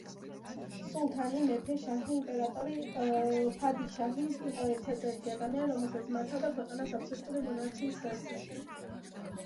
სულთანი, მეფე, შაჰი, იმპერატორი, ფადიშაჰი, იყო ერთადერთი ადამიანი, რომელიც მართავდა ქვეყანას, აბსოლუტური მონარქიის სისტემით.